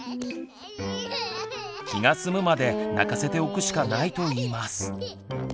気が済むまで泣かせておくしかないと言います。